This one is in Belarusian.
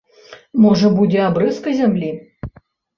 Можа, будзе абрэзка зямлі?